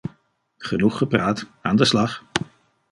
Genoeg gepraat, aan de slag!